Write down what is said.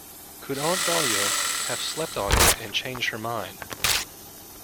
Could Aunt Dahlia have slept on it and changed her mind?